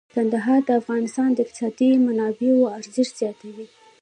کندهار د افغانستان د اقتصادي منابعو ارزښت زیاتوي.